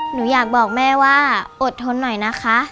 หนูอยากบอกแม่ว่าอดทนหน่อยนะคะ